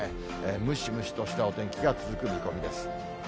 ムシムシとしたお天気が続く見込みです。